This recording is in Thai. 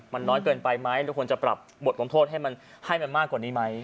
มันน้อยเกินไปไหมทุกคนจะปรับบทความโทษให้มากกว่านี้ไหม